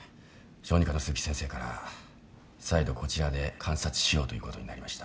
小児科の鈴木先生から再度こちらで観察しようということになりました。